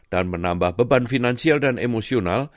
dan menambah beban finansial dan emosional